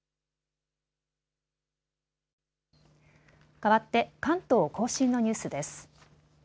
かわって関東甲信のニュースです。